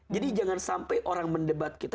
jadi jangan sampai orang mendebat kita